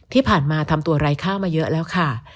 ที่ผ่านมาทำตัวไร้ค่ามาเยอะแล้วค่ะ